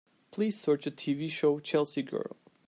Please search the TV show Chelsea Girl.